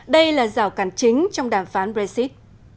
đây là rào cản chính trong đàm phán brexit